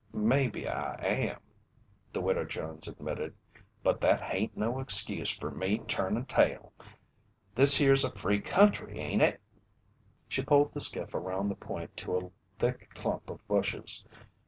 "Maybe I am," the Widow Jones admitted. "But that hain't no excuse fer me turnin' tail! This here's a free country ain't it?" She poled the skiff around the point to a thick clump of bushes.